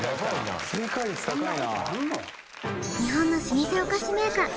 日本の老舗お菓子メーカー